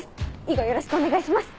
以後よろしくお願いします。